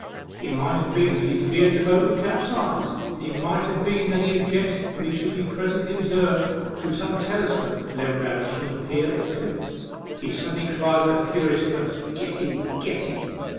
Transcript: It might have been that he feared the boat would capsize, and it might have been that he guessed we should be presently observed through some telescope levelled at us from the pier or cliif. He suddenly cried with a furious curse, " Get in, get in